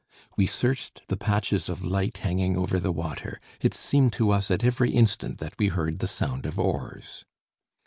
We searched the patches of light hanging over the water; it seemed to us at every instant that we heard the sound of oars.